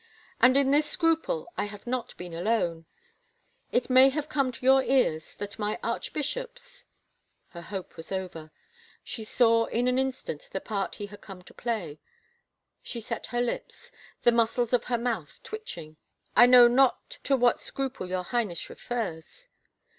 And in this scruple I have not been alone. It may have come to your ears that my archbishops—" .Her hope was over. She saw in an instant the part he had come to play. She set her lips, the muscles of her mouth twitching. " I know not to what scruple your Highness refers."